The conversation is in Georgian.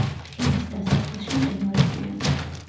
ქედის დასაწყისში მყინვარებია.